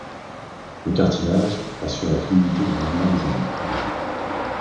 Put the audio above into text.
Le cartilage assure la fluidité des mouvements du genou.